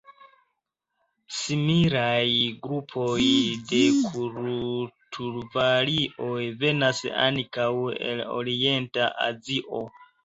Similaj grupoj de kulturvarioj venas ankaŭ el orienta Azio.